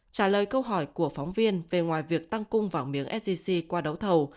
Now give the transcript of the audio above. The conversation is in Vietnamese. trả lời câu hỏi của phóng viên về ngoài việc tăng cung vàng miếng sgc qua đấu thầu